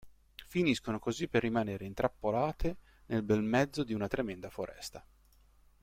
Finiscono così per rimanere intrappolate nel bel mezzo di una tremenda foresta.